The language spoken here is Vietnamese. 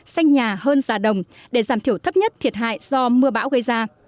xanh nhà hơn già đồng để giảm thiểu thấp nhất thiệt hại do mưa bão gây ra